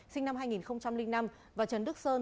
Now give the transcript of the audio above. sinh năm hai nghìn năm và trần đức sơn